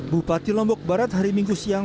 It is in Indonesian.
bupati lombok barat hari minggu siang